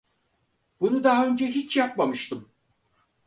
Bunu daha önce hiç yapmamıştım.